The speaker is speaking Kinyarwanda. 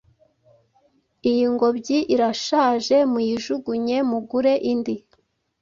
Iyi ngobyi irashaje muyijugunye mugure indi.